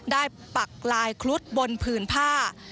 ปักลายครุฑบนผืนผ้า